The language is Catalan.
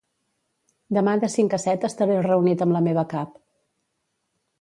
Demà de cinc a set estaré reunit amb la meva cap.